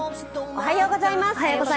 おはようございます。